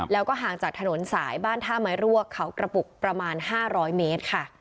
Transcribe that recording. แล้วก็ห่างจากถนนสายบ้านท่าไม้รวกเขากระปุกประมาณ๕๐๐เมตรค่ะ